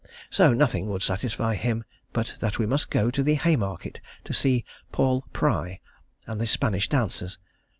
So nothing would satisfy him but that we must go to the Haymarket to see "Paul Pry" and the Spanish Dancers.